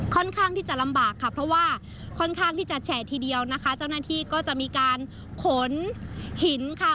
ค่อนข้างที่จะลำบากค่ะเพราะว่าค่อนข้างที่จะแฉะทีเดียวนะคะเจ้าหน้าที่ก็จะมีการขนหินค่ะ